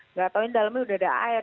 nggak tau ini dalemnya udah ada air